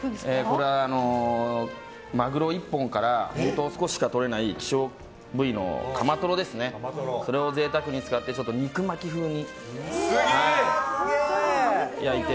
これはマグロ１本から本当に少ししかとれない希少部位のカマトロを贅沢に使って肉巻き風に焼いて。